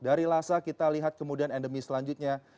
dari lasa kita lihat kemudian endemi selanjutnya